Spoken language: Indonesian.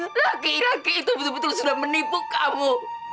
raki raki itu betul betul sudah menipu kamu